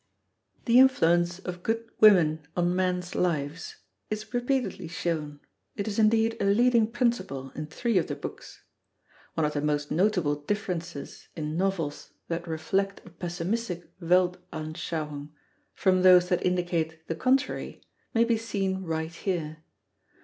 The influence of good women on men's lives is repeatedly shown; it is indeed a leading principle in three of the books. One of the most notable differences in novels that reflect a pessimistic Weltanschauung from those that indicate the contrary may be seen right here.